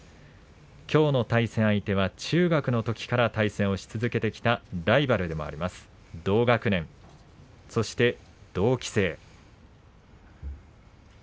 きょうの対戦相手は中学のときから対戦を続けてきたライバルでもあります、同学年そして同期生。